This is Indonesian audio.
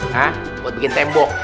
hah buat bikin tembok